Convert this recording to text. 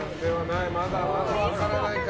まだ分からないか。